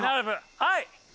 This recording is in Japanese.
はい！